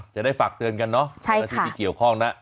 จะได้ฝากเตือนกันเนอะหน้าที่ที่เกี่ยวข้องนะ